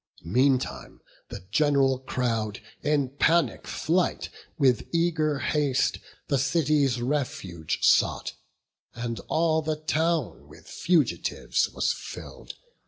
Meantime the gen'ral crowd, in panic flight, With eager haste the city's refuge sought, And all the town with fugitives was fill'd.